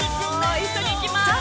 一緒にいきます。